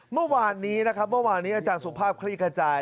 เมื่อวานนี้นะครับเมื่อวานนี้อาจารย์สุภาพคลี่ขจาย